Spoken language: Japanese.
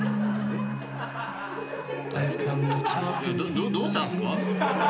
どどうしたんですか？